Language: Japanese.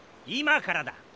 今からだ。